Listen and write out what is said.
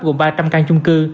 gồm ba trăm linh căn chung cư